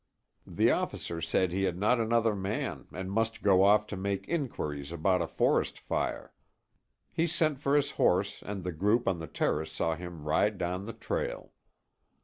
The officer said he had not another man and must go off to make inquiries about a forest fire. He sent for his horse and the group on the terrace saw him ride down the trail.